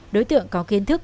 đối tượng có kiên thức